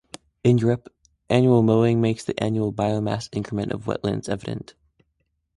In Europe, annual mowing makes the annual biomass increment of wetlands evident.